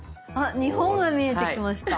日本が見えてきました。